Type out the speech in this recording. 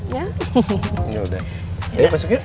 yaudah ayo masuk yuk